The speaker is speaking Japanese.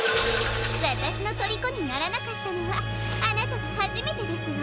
わたしのとりこにならなかったのはあなたがはじめてですわ。